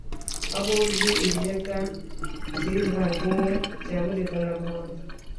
Aho uzi ibiyaga by'ibivandimwe bya Burera na Ruhondo